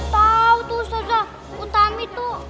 tau tuh ustazah utami tuh